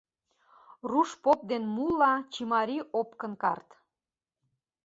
Руш поп ден мулла, чимарий опкын карт.